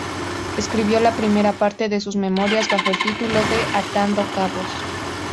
Escribió la primera parte de sus memorias bajo el título de "Atando cabos.